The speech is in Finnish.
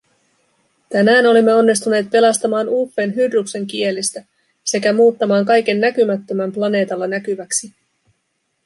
Tänään olimme onnistuneet pelastamaan Uffen Hydruksen kielistä sekä muuttamaan kaiken näkymättömän planeetalla näkyväksi.